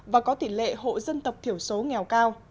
và có tỷ lệ hộ dân tộc thiểu số nghèo cao